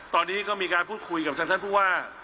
ตอนนี้ก็มีการพูดคุยกับทางท่านผู้ว่า